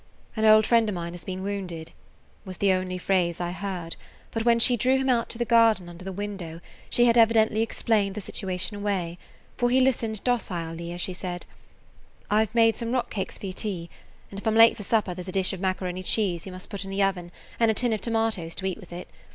"An old friend of mine has been wounded," was the only phrase I heard; but when she drew him out into the gar [Page 92] den under the window she had evidently explained the situation away, for he listened docilely as she said: "I 've made some rock cakes for your tea. And if I 'm late for supper, there 's a dish of macaroni cheese you must put in the oven and a tin of tomatoes to eat with it.